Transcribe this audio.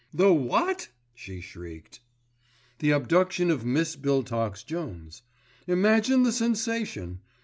"The what?" she shrieked. "The abduction of Miss Biltox Jones. Imagine the sensation!